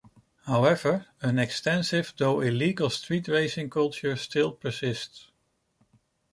However, an extensive though illegal street racing culture still persists.